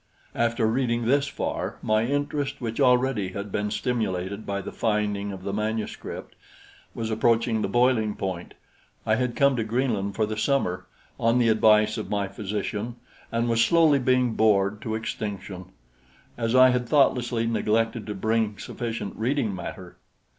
After reading this far, my interest, which already had been stimulated by the finding of the manuscript, was approaching the boiling point. I had come to Greenland for the summer, on the advice of my physician, and was slowly being bored to extinction, as I had thoughtlessly neglected to bring sufficient reading matter.